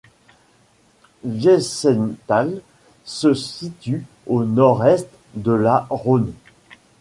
Wiesenthal se situe au nord-est de la Rhön.